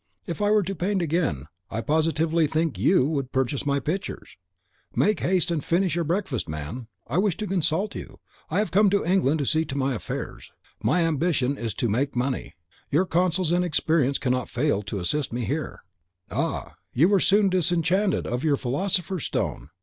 If I were to paint again, I positively think YOU would purchase my pictures. Make haste and finish your breakfast, man; I wish to consult you. I have come to England to see after my affairs. My ambition is to make money; your counsels and experience cannot fail to assist me here." "Ah, you were soon disenchanted of your Philosopher's Stone!